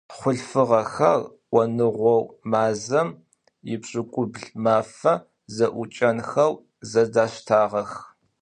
Хъулъфыгъэхэр Ӏоныгъо мазэм ипшӏыкӏубл мафэ зэӏукӏэнхэу зэдаштагъэх.